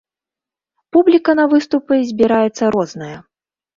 Публіка на выступы збіраецца розная.